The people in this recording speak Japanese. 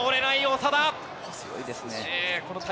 長田。